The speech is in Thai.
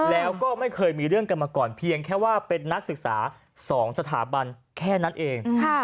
แล้วก็ไม่เคยมีเรื่องกันมาก่อนเพียงแค่ว่าเป็นนักศึกษา๒สถาบันแค่นั้นเอง